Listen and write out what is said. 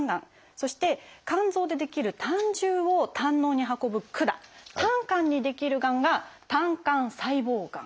そして肝臓で出来る胆汁を胆のうに運ぶ管「胆管」に出来るがんが「胆管細胞がん」。